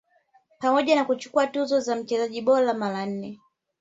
pamoja na kuchukua tuzo ya mchezaji bora mara nne